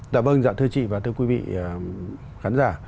dạ vâng thưa chị và thưa quý vị khán giả